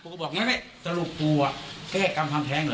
ปูก็บอกอย่างเงี้ยแต่ลูกปูอ่ะแก้กันทำแท้งเหรอ